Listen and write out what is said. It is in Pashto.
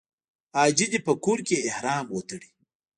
حاجي دې په کور کې احرام وتړي.